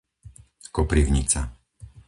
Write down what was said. Koprivnica